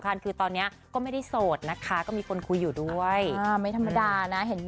ก็มีคนคุยค่ะ